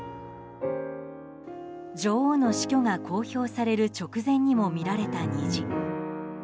女王の死去が公表される直前にも見られた虹。